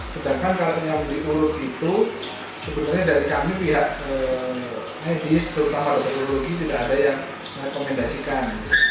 sedangkan kalau penyambut urologi itu sebenarnya dari kami pihak medis terutama urologi tidak ada yang merekomendasikan